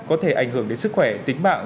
có thể ảnh hưởng đến sức khỏe tính mạng